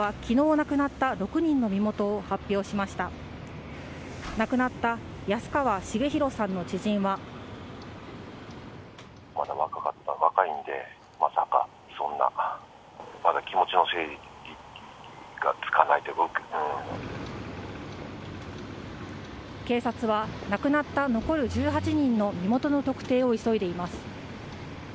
亡くなった安川重裕さんの知人は警察は亡くなった残る１８人の身元の特定を急いでいます。